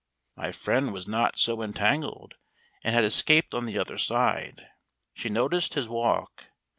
My friend was not so entangled and had escaped on the other side. She noticed his walk.